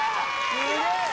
すげえ！